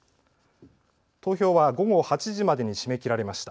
投票は午後８時までに締め切られました。